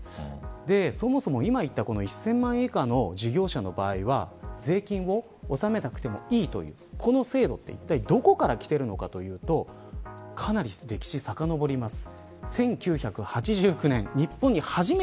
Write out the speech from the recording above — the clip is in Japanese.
そもそも今、言った１０００万円以下の事業者の場合は税金を納めなくてもいいというこの制度っていったいどこからきているのかというとかなり歴史、さかのぼります。